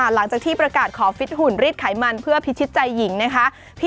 หลังจากที่ประกาศขอฟิตหุ่นรีดไขมันเพื่อพิชิตใจหญิงนะคะ